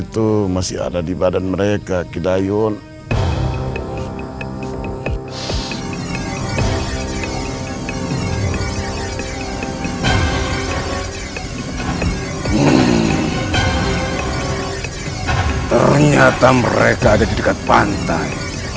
ternyata mereka ada di dekat pantai